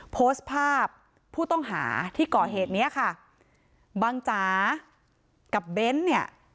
โพสต์ภาพผู้ต้องหาที่ก่อเหตุเนี้ยค่ะบังจ๋ากับเบ้นเนี่ย